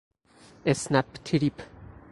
اسنپ تریپ